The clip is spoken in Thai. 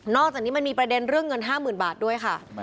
อกจากนี้มันมีประเด็นเรื่องเงิน๕๐๐๐บาทด้วยค่ะ